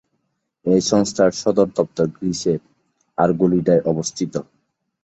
এই সংস্থার সদর দপ্তর গ্রিসের আরগোলিদায় অবস্থিত।